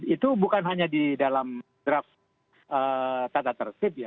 itu bukan hanya di dalam draft tata tertib ya